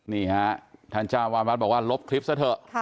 นี่ฮะท่านจ้าวาดวัดบอกว่าลบคลิปซะเถอะ